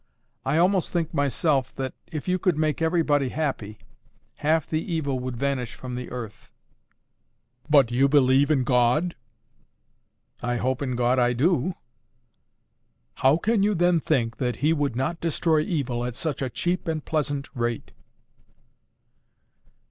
I almost think myself, that if you could make everybody happy, half the evil would vanish from the earth." "But you believe in God?" "I hope in God I do." "How can you then think that He would not destroy evil at such a cheap and pleasant rate."